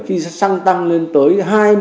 khi giá xăng tăng lên tới hai mươi bảy